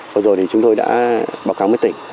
vừa rồi thì chúng tôi đã báo cáo với tỉnh